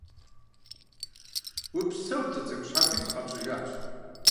Упсэу, лӀы цӀыкӀу, щхьэхуит сыкъэпщӀыжащ.